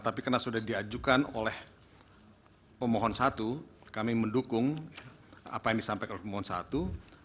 tapi karena sudah diajukan oleh pemohon satu kami mendukung apa yang disampaikan oleh pemohon satu